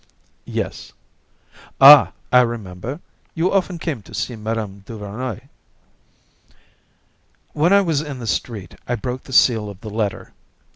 "Yes. "Ah! I remember. You often came to see Mme. Duvernoy." When I was in the street I broke the seal of the letter.